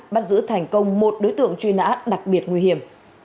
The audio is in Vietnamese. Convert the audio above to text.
bắt giữ thành công một đối tượng truy nã đặc biệt nguy hiểm